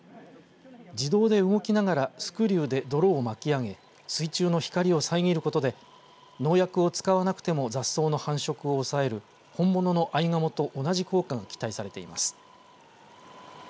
自動で動きながらスクリューで泥を巻き上げ水中の光を遮ることで農薬を使わなくても雑草の繁殖を抑える本物のあいがもと同じ効果が期待されています。